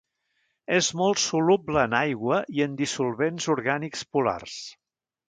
És molt soluble en aigua i en dissolvents orgànics polars.